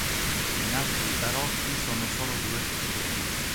In altri tarocchi sono solo due chierici.